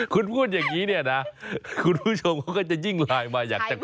คุณพูดอย่างนี้เนี่ยนะคุณผู้ชมเขาก็จะยิ่งไลน์มาอยากจะขอ